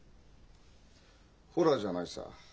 「ホラ」じゃないさ。